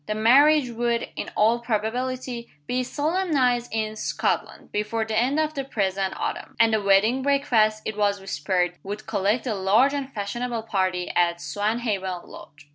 The marriage would, in all probability, "be solemnized in Scotland, before the end of the present autumn;" and the wedding breakfast, it was whispered, "would collect a large and fashionable party at Swanhaven Lodge."